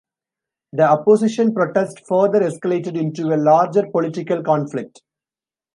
The opposition protest further escalated into a larger political conflict.